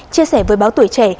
chia sẻ với báo tuổi trẻ